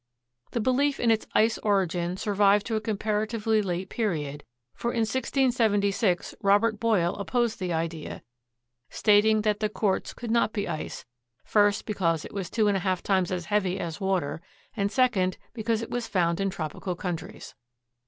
The belief in its ice origin survived to a comparatively late period, for in 1676 Robert Boyle opposed the idea, stating that the quartz could not be ice, first because it was two and a half times as heavy as water, and second because it was found in tropical countries.